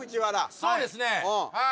そうですねはい